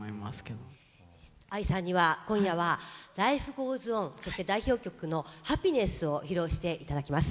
ＡＩさんには今夜は「ＬｉｆｅＧｏｅｓＯｎ」そして代表曲の「ハピネス」を披露して頂きます。